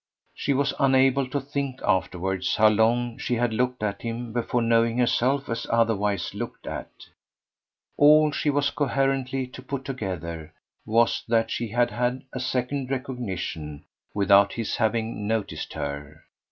She was unable to think afterwards how long she had looked at him before knowing herself as otherwise looked at; all she was coherently to put together was that she had had a second recognition without his having noticed her.